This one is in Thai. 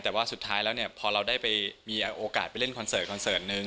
แต่ว่าสุดท้ายแล้วพอเราได้มีโอกาสไปเล่นคอนเสิร์ตนึง